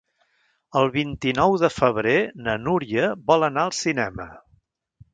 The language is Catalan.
El vint-i-nou de febrer na Núria vol anar al cinema.